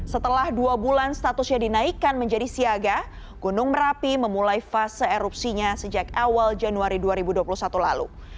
setelah dua bulan statusnya dinaikkan menjadi siaga gunung merapi memulai fase erupsinya sejak awal januari dua ribu dua puluh satu lalu